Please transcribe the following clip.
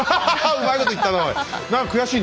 うまいこと言ったなおい。